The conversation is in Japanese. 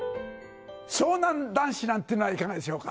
湘南男子なんていうのはいかがでしょうか。